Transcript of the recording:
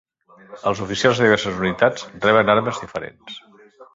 Els oficials de diverses unitats reben armes diferents.